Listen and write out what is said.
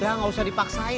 ya gak usah dipaksain